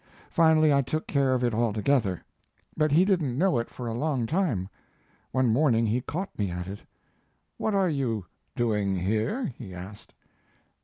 Finally I took care of it altogether, but he didn't know it for a long time. One morning he caught me at it. "What are you doing here?" he asked.